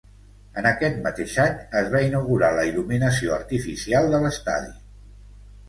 En aquest mateix any, es va inaugurar la il·luminació artificial de l'estadi.